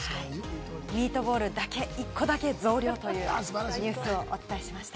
ミートボールだけ、１個だけ増量というニュースをお伝えしました。